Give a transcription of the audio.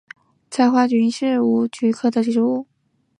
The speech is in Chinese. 紫花橐吾是菊科橐吾属的植物。